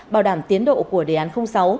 bảo đảm tiến độ của đề án sáu